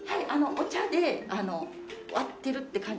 お茶で割ってるって感じ。